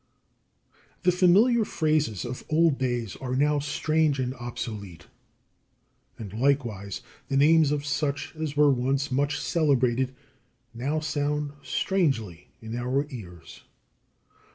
33. The familiar phrases of old days are now strange and obsolete; and, likewise, the names of such as were once much celebrated now sound strangely in our ears.